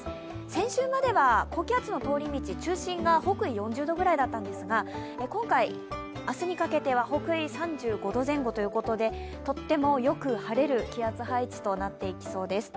先週までは高気圧の通り道、中心が北緯４０度くらいだったんですけれども今回、明日にかけては北緯３５度前後ということでとってもよく晴れる気圧配置となっていきそうです。